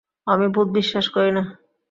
আমি ভূত বিশ্বাস করি না।